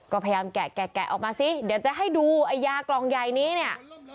ก็พยายามแกะออกมาสิเดี๋ยวเจ๊ให้ดูยากล่องใหญ่นี้นะ